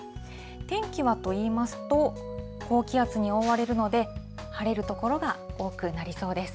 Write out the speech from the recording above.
天気はといいますと、高気圧に覆われるので、晴れる所が多くなりそうです。